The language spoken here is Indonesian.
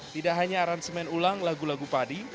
tidak hanya aransemen ulang lagu lagu padi